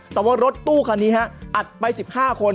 แต่ว่ารถตู้คันนี้ฮะอัดไป๑๕คน